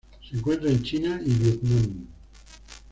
Se encuentra en China y Vietnam.